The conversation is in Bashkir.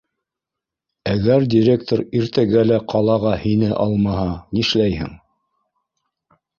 — Әгәр директор иртәгә лә ҡалаға һине алмаһа, нишләйһең?.